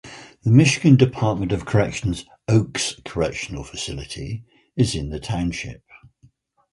The Michigan Department of Corrections Oaks Correctional Facility is in the township.